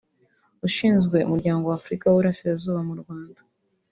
ushinzwe umuryango w’Afrika y’Uburasirazuba mu Rwanda